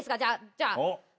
じゃあ。